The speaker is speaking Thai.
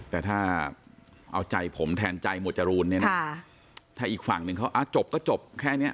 แต่ถ้าเอาใจผมแทนใจหมวดจรูนเนี่ยนะถ้าอีกฝั่งหนึ่งเขาจบก็จบแค่เนี้ย